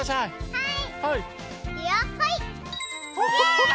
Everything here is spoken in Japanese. はい！